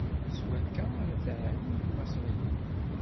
S wakka ara tɛerrim Imaṣriyen!